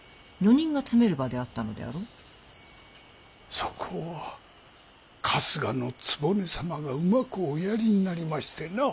そこは春日局様がうまくおやりになりましてな。